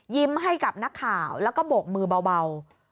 ให้กับนักข่าวแล้วก็โบกมือเบา